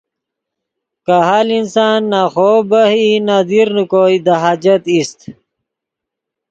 کاہال انسان نہ خو بہہ ای نہ دیر نے کوئے دے حاجت ایست